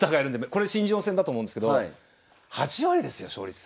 これ新人王戦だと思うんですけど８割ですよ勝率。